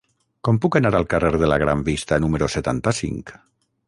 Com puc anar al carrer de la Gran Vista número setanta-cinc?